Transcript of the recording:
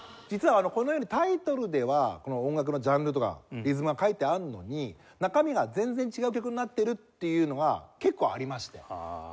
実はこのようにタイトルではこの音楽のジャンルとかリズムが書いてあるのに中身が全然違う曲になっているというのが結構ありまして。